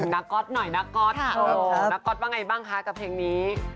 นักก็ดว่าไงบ้างกับเพลงนี้